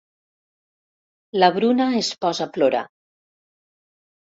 La Bruna es posa a plorar.